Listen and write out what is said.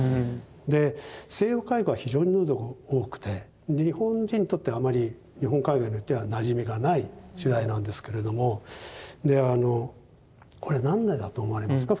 で西洋絵画は非常にヌードが多くて日本人にとってはあまり日本絵画によってはなじみがない主題なんですけれどもであのこれはなんでだと思われますか？